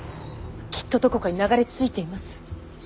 きっとどこかに流れ着いています。